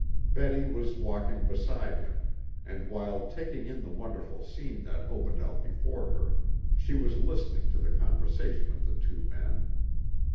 Betty was walking beside him, and while taking in the wonderful scene that opened out before her, she was listening to the conversation of the two men.